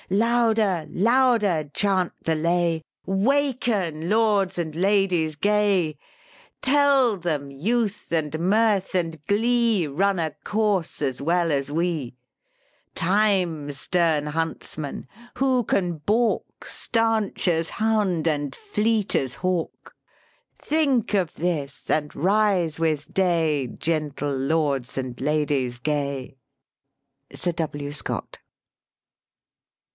" Louder, louder chant the lay Waken, lords and ladies gay! Tell them youth and mirth and glee Run a course as well as we; Time, stern huntsman! who can baulk, Stanch as hound and fleet as hawk; Think of this, and rise with day, Gentle lords and ladies gay!" SIR W. SCOTT.